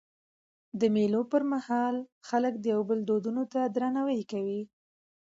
د مېلو پر مهال خلک د یو بل دودونو ته درناوی کوي.